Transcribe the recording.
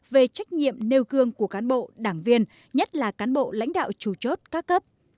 về trách nhiệm nêu gương của cán bộ đảng viên nhất là cán bộ lãnh đạo chủ chốt các cấp